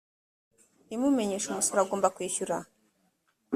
imumenyesha umusoro agomba kwishyura